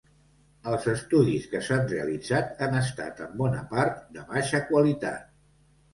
Els estudis que s'han realitzat han estat, en bona part, de baixa qualitat.